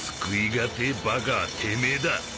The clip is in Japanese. がてえバカはてめえだ。